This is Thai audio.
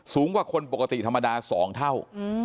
สูงกว่าคนปกติธรรมดา๒เท่า